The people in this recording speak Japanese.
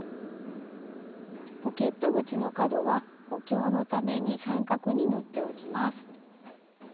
ポケット口の角は補強のために三角に縫っておきます。